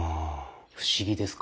不思議ですか？